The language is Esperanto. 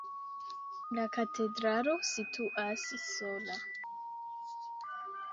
La katedralo situas sola.